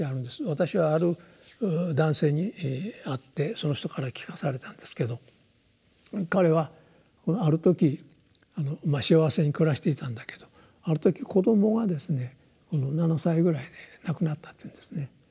私はある男性に会ってその人から聞かされたんですけど彼はある時まあ幸せに暮らしていたんだけどある時子どもがですね７歳ぐらいで亡くなったっていうんですね。